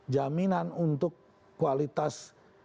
jaminan untuk kualitas